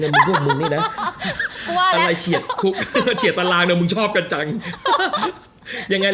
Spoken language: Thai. อะไรตารางมึงชอบงันจัง